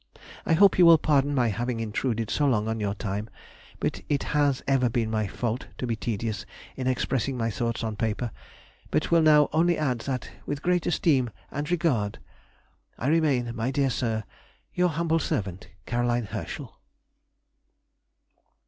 I hope you will pardon my having intruded so long on your time, but it has ever been my fault to be tedious in expressing my thoughts on paper; but will now only add that, with great esteem and regard, I remain, my dear Sir, Your humble servant, CAROLINE HERSCHEL.